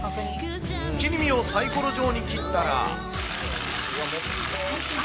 切り身をさいころ状に切ったら。